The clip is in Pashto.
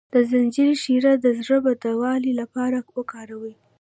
د زنجبیل شیره د زړه بدوالي لپاره وکاروئ